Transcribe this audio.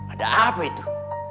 ada apa itu